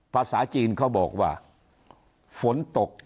ภาษาจีนเขาบอกว่าฝนตก